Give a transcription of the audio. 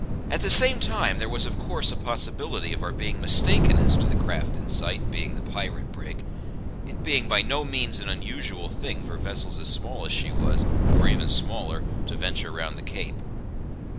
At the same time there was of course a possibility of our being mistaken as to the craft in sight being the pirate brig, it being by no means an unusual thing for vessels as small as she was, or even smaller, to venture round the Cape.